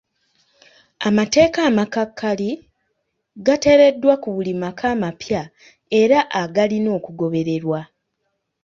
Amateeka amakakali gateereddwa ku buli maka amapya era agalina okugobererwa.